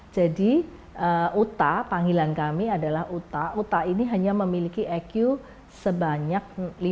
jadi uta panggilan kami adalah uta uta ini hanya memiliki eq sebanyak lima puluh lima